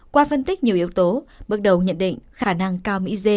qua phân tích nhiều yếu tố bước đầu nhận định khả năng cao mỹ dê